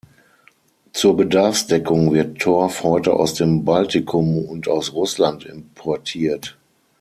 Zur Bedarfsdeckung wird Torf heute aus dem Baltikum und aus Russland importiert.